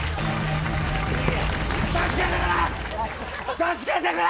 助けてくれ。